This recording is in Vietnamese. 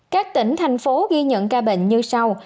các tỉnh thành phố ghi nhận ca bệnh như sau